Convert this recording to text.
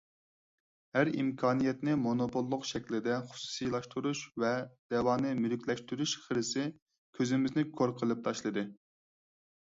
ھەر ئىمكانىيەتنى مونوپوللۇق شەكلىدە خۇسۇسىيلاشتۇرۇش ۋە دەۋانى مۈلۈكلەشتۈرۈش خىرىسى كۆزىمىزنى كور قىلىپ تاشلىدى.